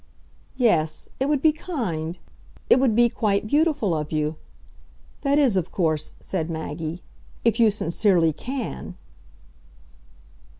"Yes it would be kind. It would be quite beautiful of you. That is, of course," said Maggie, "if you sincerely CAN."